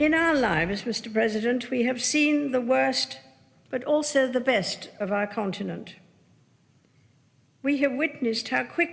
dalam hidup kita tuan presiden kita telah melihat yang terburuk tapi juga yang terbaik